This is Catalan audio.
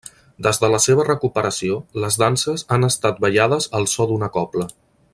Des de la seva recuperació les danses han estat ballades al so d'una cobla.